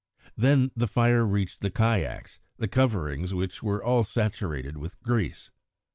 Then the fire reached the kayaks, the coverings of which were all saturated with grease.